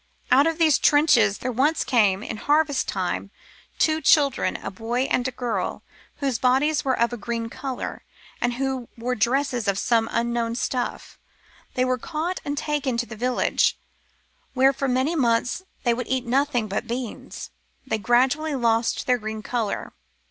Out of these trenches there once came, in harvest time, two children, a boy and a girl, whose bodies were of a green colour, and who wore dresses of some unknown stuff. They were caught and taken to the village, where for many months they would eat nothing but beans. They gradually lost their green colour.